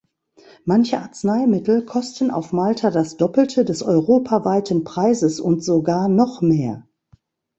Manche Arzneimittel kosten auf Malta das Doppelte des europaweiten Preises und sogar noch mehr.